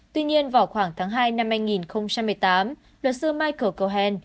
tuy nhiên vào khoảng tháng hai năm hai nghìn một mươi tám luật sư michael cohen